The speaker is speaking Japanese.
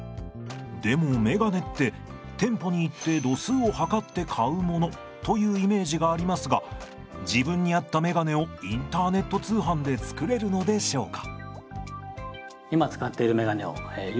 でも眼鏡って店舗に行って度数を測って買うものというイメージがありますが自分に合った眼鏡をインターネット通販で作れるのでしょうか？